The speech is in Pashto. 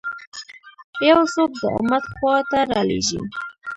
یو څوک د امت خوا ته رالېږي.